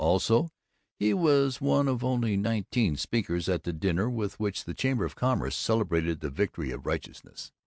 Also, he was one of only nineteen speakers at the dinner with which the Chamber of Commerce celebrated the victory of righteousness.